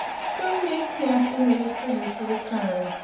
So we made camp and waited for you to return.